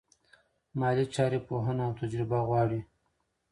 مالي چارې پوهنه او تجربه غواړي.